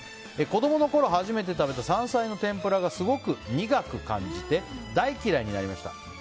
子供のころ初めて食べた山菜の天ぷらがすごく苦く感じて大嫌いになりました。